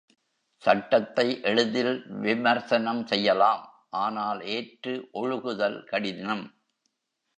சட்டத்தை எளிதில் விமர்சனம் செய்யலாம் ஆனால் ஏற்று ஒழுகுதல் கடினம்.